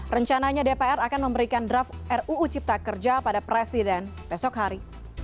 rencananya dpr akan memberikan draft ruu cipta kerja pada presiden besok hari